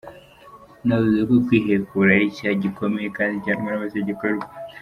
Yanavuze ko kwihekura ari icyaha gikomeye kandi gihanywa n’amategeko y’u Rwanda.